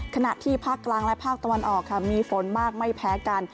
ขณะที่ภาคกลางและภาคตะวันออกค่ะมีฝนมากไม่แพ้กัน